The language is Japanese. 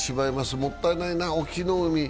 もったいないな、隠岐の海。